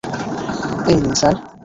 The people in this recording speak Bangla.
এই নিন, স্যার।